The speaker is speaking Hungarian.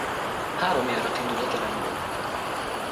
Három járat indul a teremből.